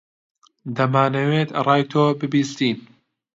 دەمانەوێت ڕای تۆ ببیستین.